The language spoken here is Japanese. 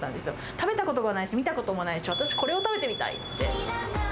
食べたことがないし、見たこともないし、私、これを食べてみたいって。